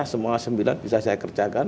semua sembilan bisa saya kerjakan